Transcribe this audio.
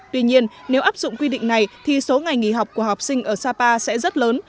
tuy nhiên nếu áp dụng quy định này thì số ngày nghỉ học của học sinh ở sapa sẽ rất lớn